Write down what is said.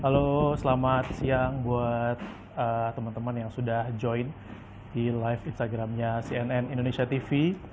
halo selamat siang buat teman teman yang sudah join di live instagramnya cnn indonesia tv